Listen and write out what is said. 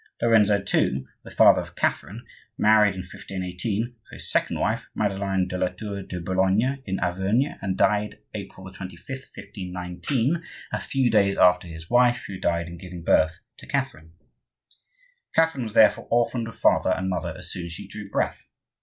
Lorenzo II., the father of Catherine, married in 1518, for his second wife, Madeleine de la Tour de Boulogne, in Auvergne, and died April 25, 1519, a few days after his wife, who died in giving birth to Catherine. Catherine was therefore orphaned of father and mother as soon as she drew breath.